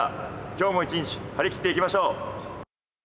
今日も一日、張り切っていきましょう！